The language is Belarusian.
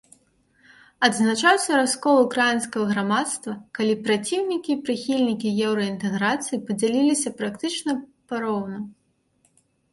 Адзначаўся раскол украінскага грамадства, калі праціўнікі і прыхільнікі еўраінтэграцыі падзяліліся практычна пароўну.